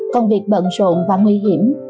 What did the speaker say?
công việc bận rộn và nguy hiểm